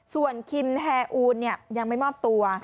ส่วนคิมแอร์อูนยังไม่มอบตัว